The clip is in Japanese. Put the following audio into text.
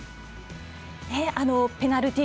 ペナルティー